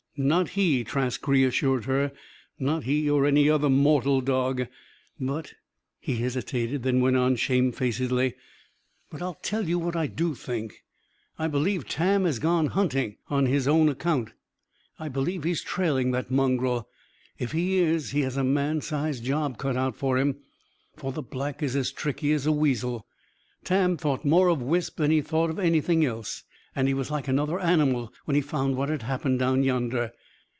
"Not he," Trask reassured her. "Not he, or any other mortal dog. But," he hesitated, then went on, shamefacedly, "but I'll tell you what I do think. I believe Tam has gone hunting, on his own account. I believe he's trailing that mongrel. If he is, he has a man's size job cut out for him. For the Black is as tricky as a weasel. Tam thought more of Wisp than he thought of anything else. And he was like another animal when he found what had happened, down yonder.